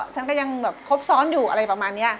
ฉันก็ไม่อยากเลิกกับผู้ชาย